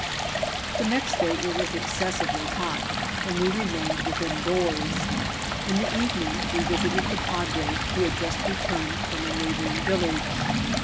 The next day it was excessively hot, and we remain ed within doors. In the evening we visited the padre, who had just returned from a neighbouring village.